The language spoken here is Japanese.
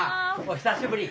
お久しぶり！